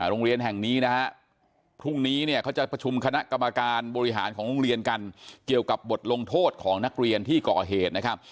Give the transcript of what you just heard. โรงเรียนแห่งนี้นะฮะพรุ่งนี้เนี่ยเขาจะประชุมคณะกรรมการบริหารของโรงเรียนกันเกี่ยวกับบทลงโทษของนักเรียนที่ก่อเหตุนะครับ